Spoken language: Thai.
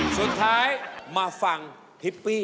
สุดท้ายมาฟังทิปปี้